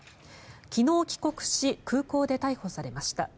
昨日、帰国し空港で逮捕されました。